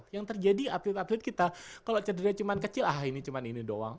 yang terjadi atlet atlet kita kalau cederanya cuma kecil ah ini cuma ini doang